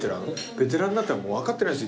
ベテランになったのに分かってないです